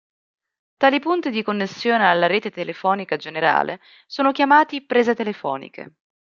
Tali punti di connessione alla Rete Telefonica Generale sono chiamati "prese telefoniche".